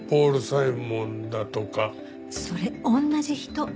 それ同じ人。